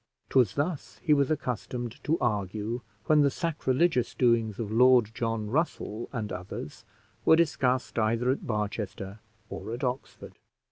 'Twas thus he was accustomed to argue, when the sacrilegious doings of Lord John Russell and others were discussed either at Barchester or at Oxford.